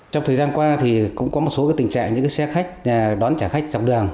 trong thời gian qua thì cũng có một số tình trạng những xe khách đón trả khách dọc đường